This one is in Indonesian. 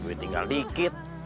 duit tinggal dikit